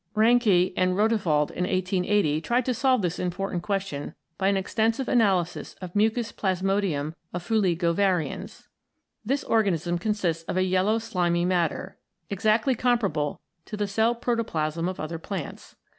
Reinke and Rodewald in 1880 tried to solve this important question by an extensive analysis of the mucous plasmodium of Fuligo varians. This organism consists of a yellow slimy matter, exactly com parable to the cell protoplasm of other plants.